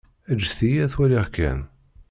Ǧǧet-iyi ad t-waliɣ kan.